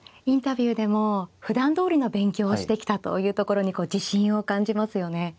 インタビューでもふだんどおりの勉強をしてきたというところに自信を感じますよね。